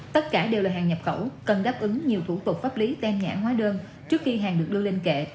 tất cả đều là hàng nhập khẩu cần đáp ứng nhiều thủ tục pháp lý ten nhãn hóa đơn trước khi hàng được đưa lên kệ